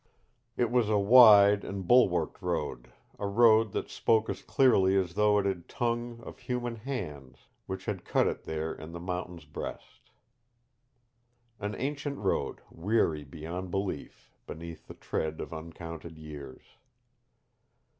It was a wide and bulwarked road, a road that spoke as clearly as though it had tongue of human hands which had cut it there in the mountain's breast. An ancient road weary beyond belief beneath the tread of uncounted years.